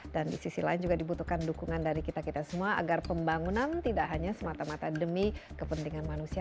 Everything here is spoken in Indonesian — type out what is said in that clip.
dan di sisi lain juga dibutuhkan dukungan dari kita kita semua agar pembangunan tidak hanya semata mata demi kepentingan manusia